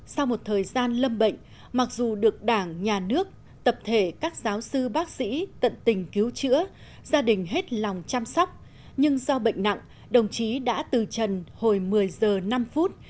sau một thời gian lâm bệnh mặc dù được đảng nhà nước tập thể các giáo sư bác sĩ tận tình cứu chữa gia đình hết lòng chăm sóc nhưng do bệnh nặng đồng chí đã từ trần hồi một mươi giờ năm phút